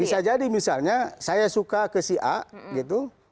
bisa jadi misalnya saya suka ke si a gitu